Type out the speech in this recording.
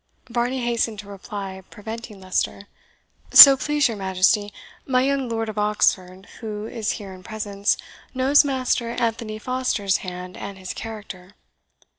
Varney hastened to reply, preventing Leicester "So please your Majesty, my young Lord of Oxford, who is here in presence, knows Master Anthony Foster's hand and his character."